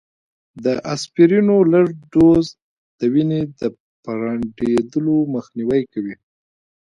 د اسپرينو لږ ډوز، د وینې د پرنډېدلو مخنیوی کوي